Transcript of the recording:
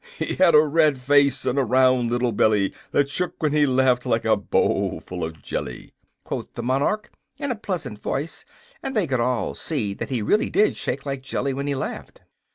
"'He had a red face and a round little belly That shook when he laughed like a bowl full of jelly!'" quoth the monarch, in a pleasant voice; and they could all see that he really did shake like jelly when he laughed.